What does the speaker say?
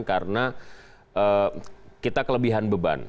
karena kita kelebihan beban